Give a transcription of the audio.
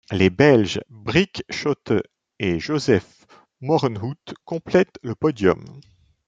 Les Belges Briek Schotte et Joseph Moerenhout complètent le podium.